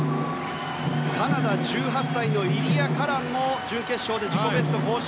カナダ、１８歳のイリア・カランも準決勝で自己ベスト更新。